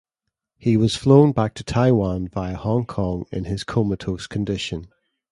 He was flown back to Taiwan via Hong Kong in his comatose condition.